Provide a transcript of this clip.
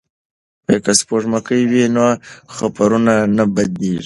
که سپوږمکۍ وي نو خپرونه نه بندیږي.